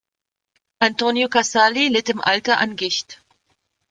Antonio Casali litt im Alter an Gicht.